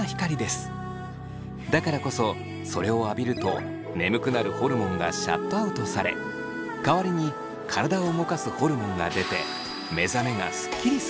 だからこそそれを浴びると眠くなるホルモンがシャットアウトされ代わりに体を動かすホルモンが出て目覚めがスッキリするそうです。